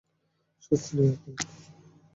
সাত শ্রী আকাল।